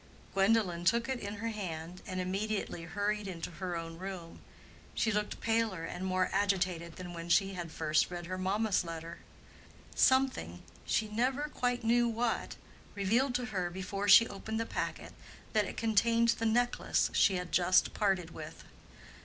Gwendolen took it in her hand and immediately hurried into her own room. She looked paler and more agitated than when she had first read her mamma's letter. Something—she never quite knew what—revealed to her before she opened the packet that it contained the necklace she had just parted with.